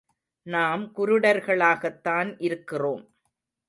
நாம் குருடர்களாகத்தான் இருக்கிறோம்.